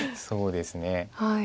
そうですね。